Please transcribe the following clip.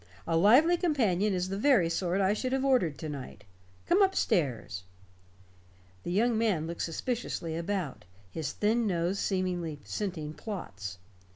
A lively companion is the very sort I should have ordered to night. Come up stairs." The young man looked suspiciously about, his thin nose seemingly scenting plots.